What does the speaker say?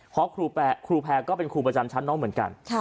เพราะครูแพรก็เป็นครูประจำชั้นน้องเหมือนกัน